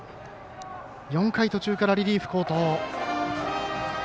４回途中からリリーフ好投。